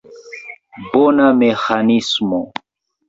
Bona meĥanismo!